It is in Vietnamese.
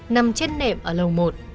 nằm trên nệm ở lầu một